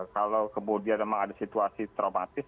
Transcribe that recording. kalau kemudian memang ada situasi traumatis